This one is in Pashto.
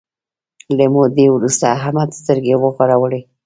له مودې وروسته احمد سترګې وغړولې.